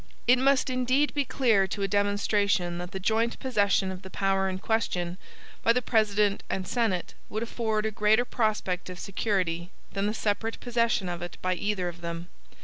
It must indeed be clear to a demonstration that the joint possession of the power in question, by the President and Senate, would afford a greater prospect of security, than the separate possession of it by either of them.